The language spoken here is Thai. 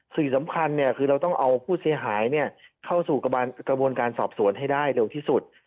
สิ่งสำคัญคือเราต้องเอาผู้เสียหายเข้าสู่กระบวนการสอบสวนให้ได้เร็วที่สุด